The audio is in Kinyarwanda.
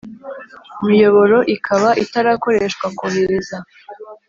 Muyoboro ikaba itarakoreshwa kohereza